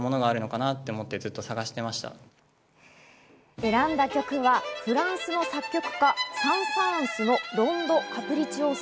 選んだ曲はフランスの作曲家サン＝サーンスの『ロンド・カプリチオーソ』。